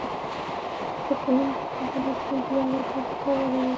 د ښوونکي خبرې ټولګیوالو ته ګټورې وې.